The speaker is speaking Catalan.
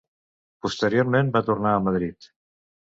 Posteriorment va tornar a Madrid.